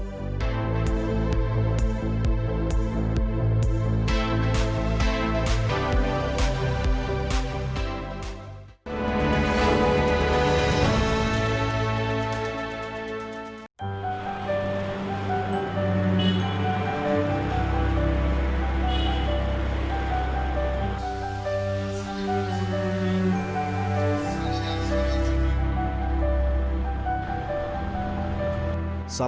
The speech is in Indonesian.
untuk menghasilkan kesehatan